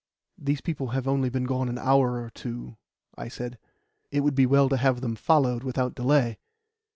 "These people have only been gone an hour or two," I said. "It would be well to have them followed without delay."